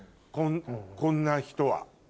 こんな人は。